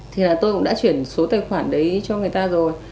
thì là tôi cũng đã chuyển số tài khoản đấy cho người ta rồi